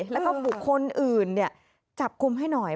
แล้วก็บุคคลอื่นจับคุมให้หน่อย